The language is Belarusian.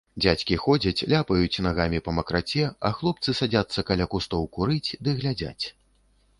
Дзядзькі ходзяць, ляпаюць нагамі на макраце, а хлопцы садзяцца каля кустоў курыць ды глядзяць.